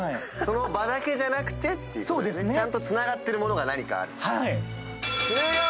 その場だけじゃなくてちゃんとつながってるものが何かある。